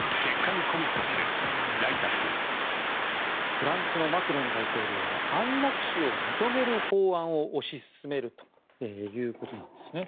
フランスのマクロン大統領は安楽死を認める法案を推し進めるということです。